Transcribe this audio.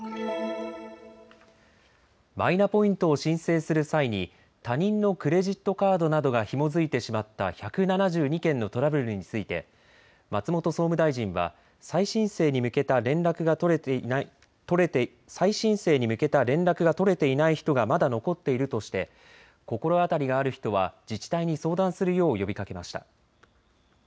マイナポイントを申請する際に他人のクレジットカードなどがひも付いてしまった１７２件のトラブルについて松本総務大臣は再申請に向けた連絡が取れていない人がまだ残っているとして心当たりがある人は自治体に相談するよう呼びかけました。